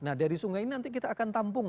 nah dari sungai ini nanti kita akan tampung